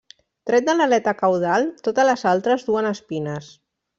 Tret de l'aleta caudal, totes les altres duen espines.